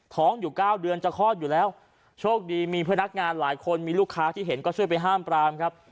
ท้องอยู่เก้าเดือนจะคลอดอยู่แล้วโชคดีมีพนักงานหลายคนมีลูกค้าที่เห็นก็ช่วยไปห้ามปรามครับ